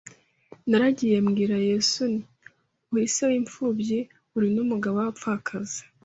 Naragiye mbwira Yesu nti uri se w’imfumbyi uri n’umugabo w’abapfakazi